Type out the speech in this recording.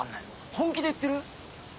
本気で言ってる？